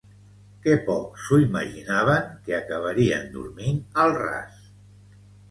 Que poc s'ho imaginaven que acabarien dormint al ras